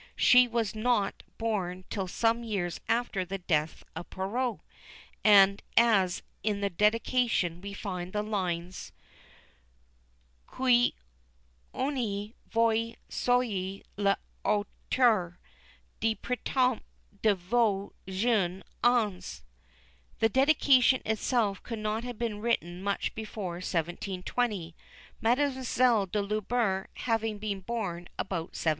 she was not born till some years after the death of Perrault; and as in the dedication we find the lines "Quoique vous soyez à l'aurore, Du printemps de vos jeunes ans," the dedication itself could not have been written much before 1720, Mademoiselle de Lubert having been born about 1710.